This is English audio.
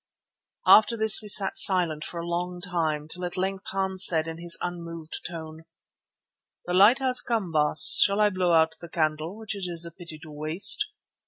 After this we sat silent for a long while, till at length Hans said in his unmoved tone: "The light has come, Baas. Shall I blow out the candle, which it is a pity to waste?